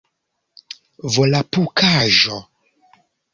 volapukaĵo